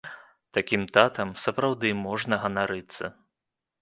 Такім татам сапраўды можна ганарыцца!